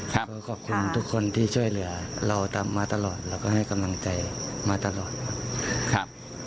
ก็ขอบคุณทุกคนที่ช่วยเหลือเราทำมาตลอดเราก็ให้กำลังใจมาตลอดครับ